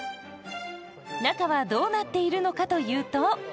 中はどうなっているのかというと。